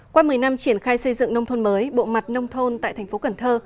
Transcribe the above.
qua một mươi năm triển khai xây dựng nông thôn mới bộ mặt nông thôn tại thành phố cần thơ